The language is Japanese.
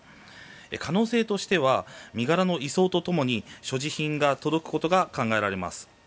可能性としては身柄の移送とともに所持品が届くことが考えられます。